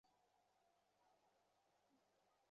দোকান লুট করা হয়েছে, দোকানের মালপত্র জড়ো করে আগুন দেওয়া হয়েছে।